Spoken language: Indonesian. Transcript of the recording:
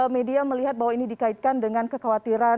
media melihat bahwa ini dikaitkan dengan kekhawatiran